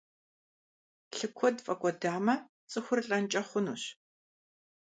Лъы куэд фӀэкӀуэдамэ, цӀыхур лӀэнкӀэ хъунущ.